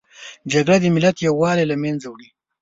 جګړه د ملت یووالي له منځه وړي